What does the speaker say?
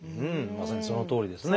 まさにそのとおりですね。